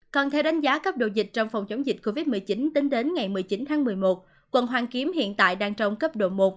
còn theo đánh giá cấp độ dịch trong phòng chống dịch covid một mươi chín tính đến ngày một mươi chín tháng một mươi một quận hoàn kiếm hiện tại đang trong cấp độ một